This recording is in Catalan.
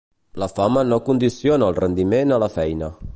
La fama no condiciona el rendiment a la feina.